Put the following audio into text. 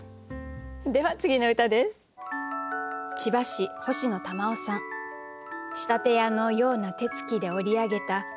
では次の歌です。